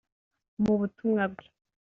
mu butumwa bwe